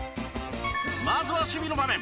まずは守備の場面。